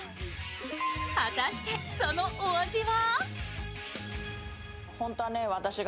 果たしてそのお味は？